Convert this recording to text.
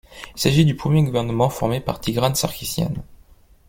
Il s'agit du premier gouvernement formé par Tigran Sarkissian.